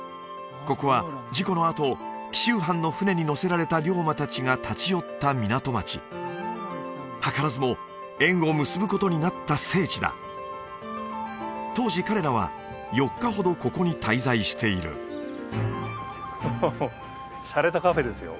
ここは事故のあと紀州藩の船に乗せられた龍馬達が立ち寄った港町図らずも縁を結ぶことになった聖地だ当時彼らは４日ほどここに滞在しているフフフしゃれたカフェですよ